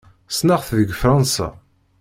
Ssneɣ-t deg Fṛansa.